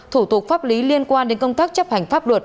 thủ tục pháp lý liên quan đến công tác chấp hành pháp luật